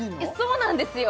そうなんですよ